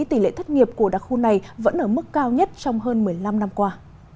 tỷ lệ thất nghiệp của đặc khu này vẫn ở mức cao nhất trong hơn một mươi năm năm qua